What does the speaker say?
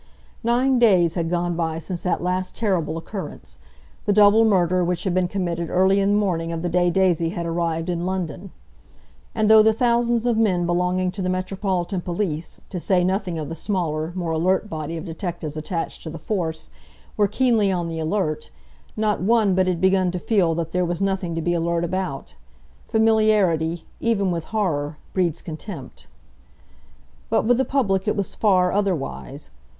Nine days had gone by since that last terrible occurrence, the double murder which had been committed early in the morning of the day Daisy had arrived in London. And though the thousands of men belonging to the Metropolitan Police—to say nothing of the smaller, more alert body of detectives attached to the Force—were keenly on the alert, not one but had begun to feel that there was nothing to be alert about. Familiarity, even with horror, breeds contempt. But with the public it was far otherwise.